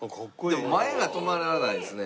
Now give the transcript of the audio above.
でも前が留まらないですね。